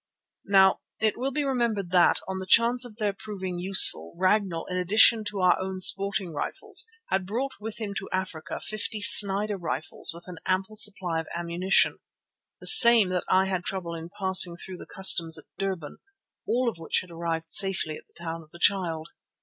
Now it will be remembered that, on the chance of their proving useful, Ragnall, in addition to our own sporting rifles, had brought with him to Africa fifty Snider rifles with an ample supply of ammunition, the same that I had trouble in passing through the Customs at Durban, all of which had arrived safely at the Town of the Child.